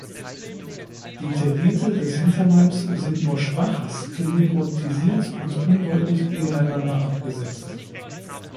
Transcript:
Die Tergite des Hinterleibs sind nur schwach sklerotisiert und undeutlich gegeneinander abgesetzt.